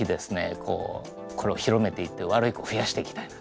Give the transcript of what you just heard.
これを広めていって悪い子を増やしていきたいなと。